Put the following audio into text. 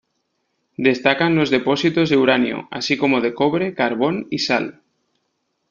Destacan los depósitos de uranio, así como de cobre, carbón y sal.